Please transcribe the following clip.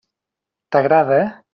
T'agrada?